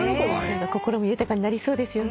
心も豊かになりそうですよね。